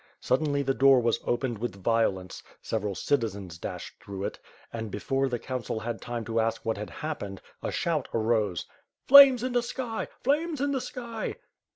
Suddenly the door was opened with violence, several citizens dashed through it; and, before the council had time to ask what had happened, a shout arose: "Flames in the sky! Flames in the sky!"